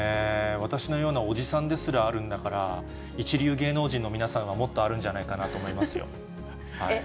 私のようなおじさんですらあるんだから、一流芸能人の皆さんはもっとあるんじゃえっ？